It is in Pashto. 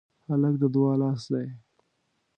هلک د دعا لاس دی.